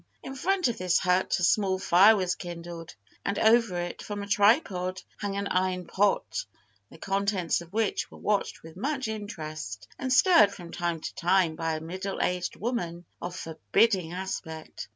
In front of this hut a small fire was kindled, and over it, from a tripod, hung an iron pot, the contents of which were watched with much interest, and stirred from time to time by a middle aged woman of forbidding aspect.